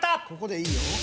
ここでいいよ。